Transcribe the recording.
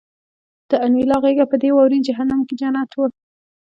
د انیلا غېږه په دې واورین جهنم کې جنت وه